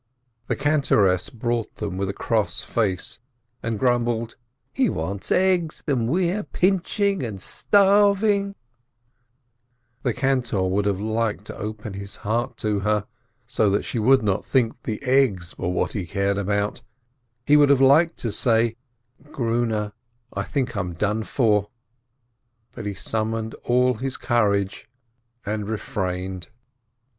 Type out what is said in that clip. The cantoress brought them with a cross face, and grumbled : "He wants eggs, and we're pinching and starving — The cantor would have liked to open his heart to her, so that she should not think the eggs were what he cared about; he would have liked to say, "Grune, I think I'm done for!" but he summoned all his courage and refrained.